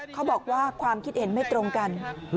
เขาบอกว่าความคิดเห็นไม่ตรงกัน